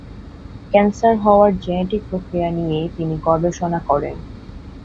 Cancer হওয়ার genetic প্রক্রিয়া নিয়ে তিনি গবেষণা করেন।